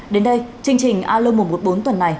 đến đây chương trình a lô một trăm một mươi bốn tuần này